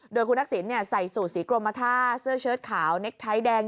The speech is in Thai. โดยคุณทักษิณใส่สูตรสีกรมท่าเสื้อเชิดขาวเน็กไทยแดง